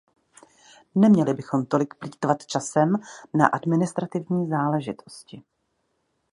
Neměli bychom tolik plýtvat časem na administrativní záležitosti.